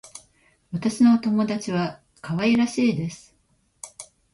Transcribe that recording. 私の友達は可愛らしいです。